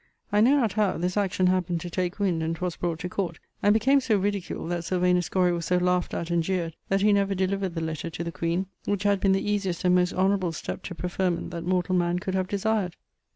I know not how, this action happened to take wind, and 'twas brought to court, and became so ridicule that Sylvanus Scory was so laughed at and jeer'd that he never delivered the letter to the queen, which had been the easiest and most honourable step to preferment that mortall man could have desired.